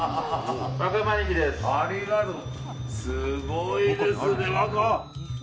すごいですね！